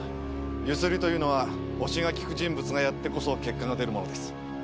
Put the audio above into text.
強請りというのは押しがきく人物がやってこそ結果が出るものです。